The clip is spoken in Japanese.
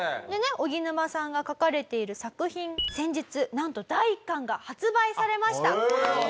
おぎぬまさんが描かれている作品先日なんと第１巻が発売されました！